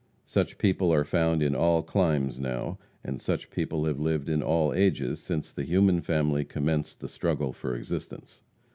Such people are found in all climes now; and such people have lived in all ages since the human family commenced the struggle for existence.